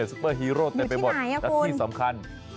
ซุปเปอร์ฮีโร่เต็มไปหมดและที่สำคัญ